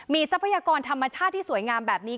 ทรัพยากรธรรมชาติที่สวยงามแบบนี้